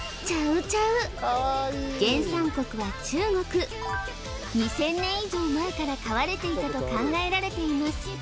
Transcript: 原産国は中国２０００年以上前から飼われていたと考えられています